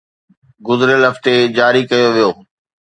گذريل هفتي جاري ڪيو ويو